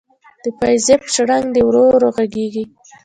د پایزیب شرنګ دی ورو ورو ږغیږې